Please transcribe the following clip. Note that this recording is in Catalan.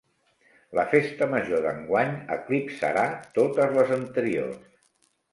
La festa major d'enguany eclipsarà totes les anteriors.